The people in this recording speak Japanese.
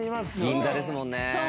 銀座ですもんね。